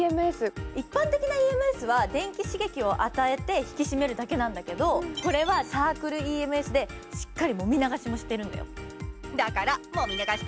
一般的なＥＭＳは電気刺激を当てて、引き締めるだけなんだけど、これはサークルＥＭＳでしっかりもみ流しもしているんだよ。